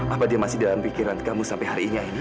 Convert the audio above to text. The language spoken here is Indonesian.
apa dia masih dalam pikiran kamu sampai hari ini